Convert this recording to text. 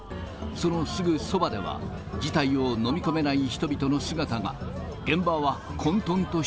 そのすぐそばでは、事態を飲み込めない人々の姿が。